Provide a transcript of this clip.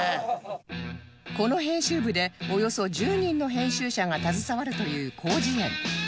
この編集部でおよそ１０人の編集者が携わるという『広辞苑』